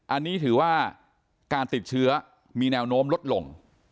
อันนี้ถือว่าการติดเชื้อมีแนวโน้มลดลง